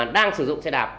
đang sử dụng xe đạp